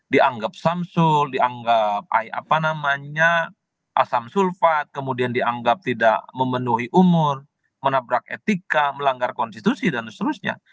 dianggap samsul dianggap asam sulfat kemudian dianggap tidak memenuhi umur menabrak etika melanggar konstitusi dan seterusnya